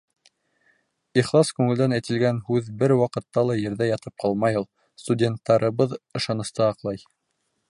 Ихлас күңелдән әйтелгән һүҙ бер ваҡытта ла ерҙә ятып ҡалмай ул: студенттарыбыҙ ышанысты аҡлай.